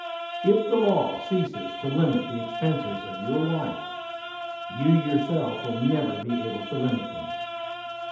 If the law ceases to limil the expenses of your wife, you yourself will never be able to limit them.